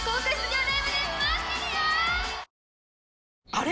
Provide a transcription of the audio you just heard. あれ？